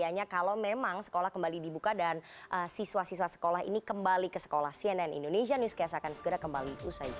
artinya kalau memang sekolah kembali dibuka dan siswa siswa sekolah ini kembali ke sekolah cnn indonesia newscast akan segera kembali usai jeda